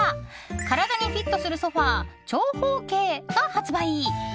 体にフィットするソファ長方形が発売！